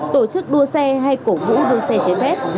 tổ chức đua xe hay cổ vũ đua xe trái phép